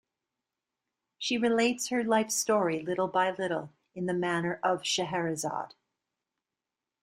She relates her life story little by little in the manner of Scheherazade.